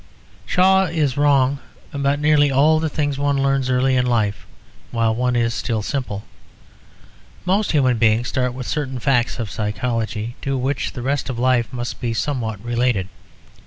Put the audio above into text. Shaw is wrong about nearly all the things one learns early in life and while one is still simple. Most human beings start with certain facts of psychology to which the rest of life must be somewhat related.